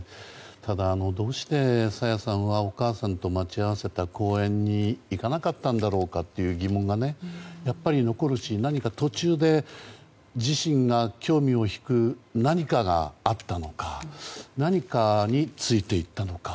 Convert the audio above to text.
ただ、どうして朝芽さんはお母さんと待ち合わせた公園に行かなかったんだろうかという疑問がやっぱり、残るし何か、途中で自身が興味を引く何かがあったのか何かについていったのか。